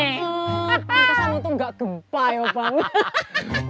itu sama tuh gak kempai oh bang